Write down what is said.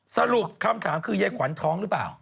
สรุปคำถามคือยายขวัญท้องหรือเปล่า